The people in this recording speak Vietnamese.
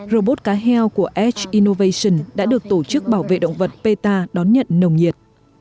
robot cá heo của edge innovation đã được tổ chức bảo vệ động vật peta đón nhận nồng nhiệt